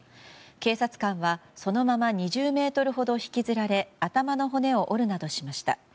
警察官はそのまま２０ｍほど引きずられ頭の骨を折るなどしました。